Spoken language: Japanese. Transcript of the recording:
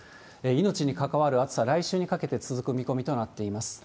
命に関わる暑さ、来週にかけて続く見込みとなっています。